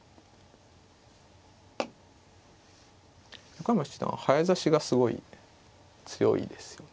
横山七段は早指しがすごい強いですよね。